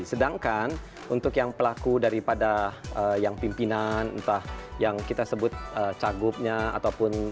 sedangkan untuk yang pelaku daripada yang pimpinan entah yang kita sebut cagupnya ataupun calon bupati maupun wali kota saya melihat di sini dari luar kelihatannya mereka adalah harmonis dan sebagainya